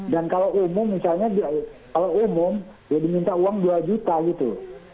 dan kalau umum misalnya kalau umum ya diminta uang dua juta gitu